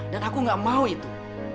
dan aku tidak mau itu